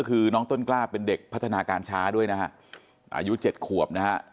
คือน้องต้นกล้าเป็นเด็กพัฒนาการช้าด้วยนะฮะอายุ๗ขวบนะฮะ